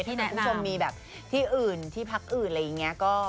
ที่แนะนำที่มีแบบที่อื่นที่พักอื่นอะไรอย่างนี้ก็